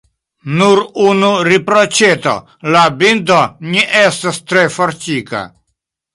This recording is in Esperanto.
Nur unu riproĉeto: la bindo ne estas tre fortika.